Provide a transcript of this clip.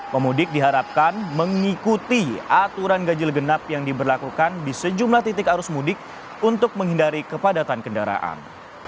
pemudik diharapkan mengikuti aturan ganjil genap yang diberlakukan di sejumlah titik arus mudik untuk menghindari kepadatan kendaraan